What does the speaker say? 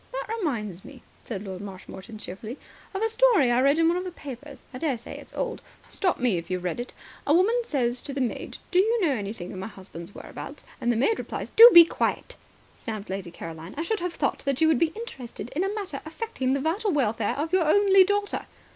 .." "That reminds me," said Lord Marshmoreton cheerfully, "of a story I read in one of the papers. I daresay it's old. Stop me if you've heard it. A woman says to the maid: 'Do you know anything of my husband's whereabouts?' And the maid replies " "Do be quiet," snapped Lady Caroline. "I should have thought that you would be interested in a matter affecting the vital welfare of your only daughter."